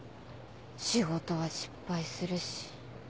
仕事は失敗するし。